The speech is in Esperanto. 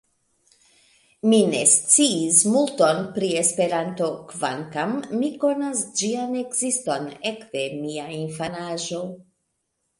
Mi ne sciis multon pri Esperanto, kvankam mi konas ĝian ekziston ekde mia infanaĝo.